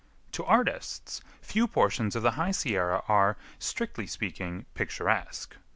To artists, few portions of the High Sierra are, strictly speaking, picturesque.